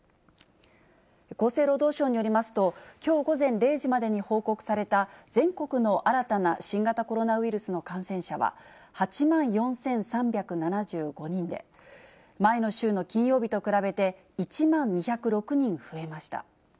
厚生労働省によりますと、きょう午前０時までに報告された全国の新たな新型コロナウイルスの感染者は８万４３７５人で、前の週の金曜日と比べて１万２０６人増えました。